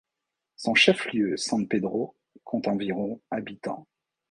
Son chef-lieu, San Pedro, compte environ habitants.